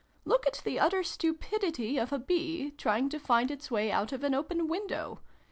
Look at the utter stupidity of a bee, trying to find its way out of an open window!